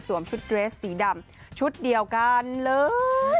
ชุดเรสสีดำชุดเดียวกันเลย